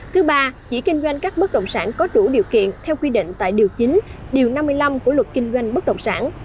thứ ba chỉ kinh doanh các bất động sản có đủ điều kiện theo quy định tại điều chín điều năm mươi năm của luật kinh doanh bất động sản